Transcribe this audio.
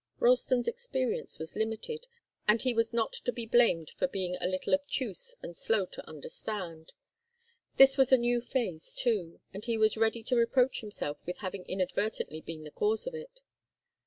Ralston's experience was limited, and he was not to be blamed for being a little obtuse and slow to understand. This was a new phase, too, and he was ready to reproach himself with having inadvertently been the cause of it.